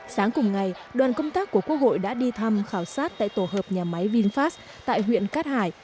sáng cùng ngày đoàn công tác của quốc hội đã đi thăm khảo sát tại tổ hợp nhà máy vinfast tại huyện cát hải